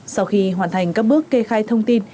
sau khi hoàn thành các bước kê khai thông tin